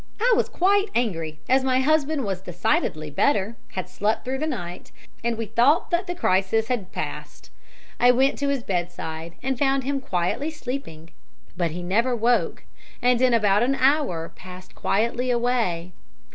"I was quite angry, as my husband was decidedly better, had slept through the night, and we thought the crisis had passed. I went to his bedside and found him quietly sleeping, but he never woke, and in about an hour passed quietly away.